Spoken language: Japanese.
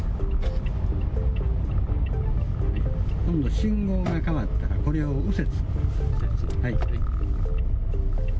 今度、信号が変わったらこれを右折。